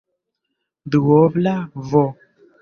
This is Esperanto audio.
duobla v